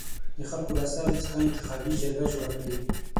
د خلکو له استازیو څخه انتخابي جرګه جوړه کړي.